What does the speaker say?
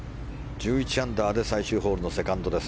１１アンダーで最終ホールのセカンドです。